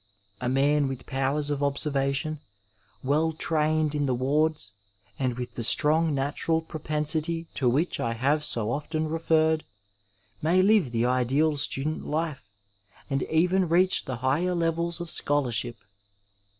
A man with powers of observation, well trained in the wards^ and with the strong natural propensity to which I have so often referred, may live the ideal student life, and even reach the higher levels of scholarship.